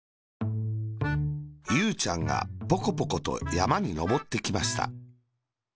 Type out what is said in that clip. ゆうちゃんがポコポコとやまにのぼってきました。